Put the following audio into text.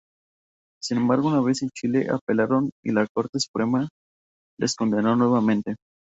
Sin embargo, una vez en Chile apelaron y la corte suprema les condenó nuevamente.